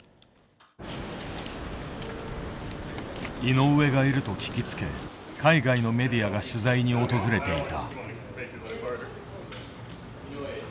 井上がいると聞きつけ海外のメディアが取材に訪れていた。